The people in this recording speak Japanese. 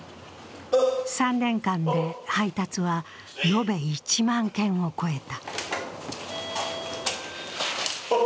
３年間で配達は延べ１万件を超えた。